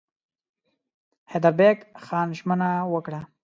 حیدربېګ خان ژمنه وکړه.